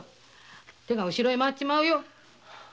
手が後ろに回っちまうよ。